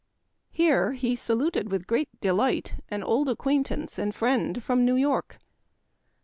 Here he saluted with great delight an old acquaintance and friend from New York.